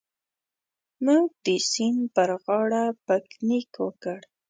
موږ د سیند پر غاړه پکنیک وکړ.